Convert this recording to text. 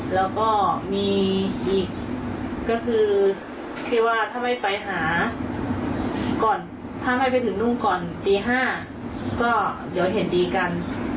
แล้วก็มีอีกคือถ้าไม่ไปถึงรุ่น๕ก็เดี๋ยวเห็นดีกัน